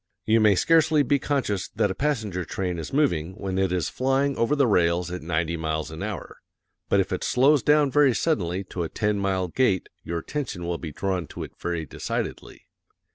You may scarcely be conscious that a passenger train is moving when it is flying over the rails at ninety miles an hour, but if it slows down very suddenly to a ten mile gait your attention will be drawn to it very decidedly.